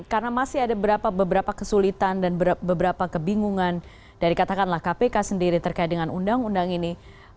karena masih ada beberapa kesulitan dan beberapa kebingungan dari katakanlah kpk sendiri terkait dengan undang undang ini